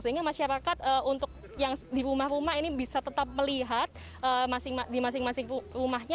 sehingga masyarakat untuk yang di rumah rumah ini bisa tetap melihat di masing masing rumahnya